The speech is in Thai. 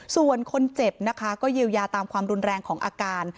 ส่วนคนเจ็บนะคะก็เยียวยาตามความรุนแรงของอาการ